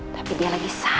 tapi dia lagi sakit